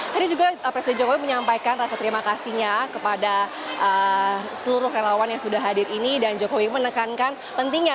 tadi juga presiden jokowi menyampaikan rasa terima kasihnya kepada seluruh relawan yang sudah hadir ini dan jokowi menekankan pentingnya